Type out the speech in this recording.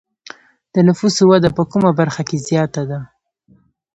د نفوسو وده په کومه برخه کې زیاته ده؟